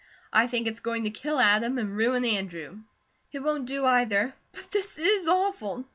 I think it's going to kill Adam and ruin Andrew." "It won't do either. But this is awful.